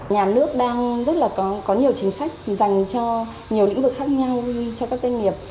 nhà nước đang rất là có nhiều chính sách dành cho nhiều lĩnh vực khác nhau cho các doanh nghiệp